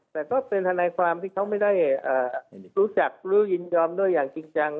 แต่ก็เป็นทนายความที่เขาไม่ได้รู้จักรู้ยินยอมด้วยอย่างจริงจัง